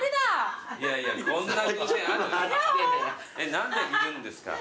何でいるんですか？